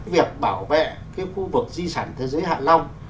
việc bảo vệ khu vực di sản thế giới hạ long